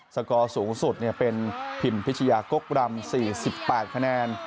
สกอร์สูงสุดเป็นพิมพิชยากกรำ๔๘คะแนน